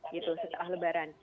gitu setelah lebaran